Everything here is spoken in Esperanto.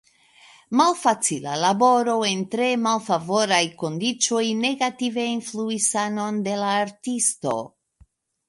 Malfacila laboro en tre malfavoraj kondiĉoj negative influis sanon de la artisto.